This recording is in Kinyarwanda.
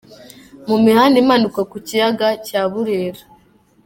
Mu mihanda imanuka ku kiyaga cya Burera.